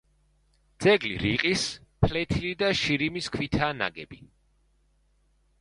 ძეგლი რიყის, ფლეთილი და შირიმის ქვითაა ნაგები.